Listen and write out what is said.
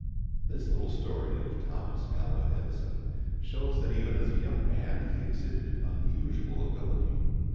This little story of Thomas Alva Edison shows that even as a young man he exhibited unusual ability.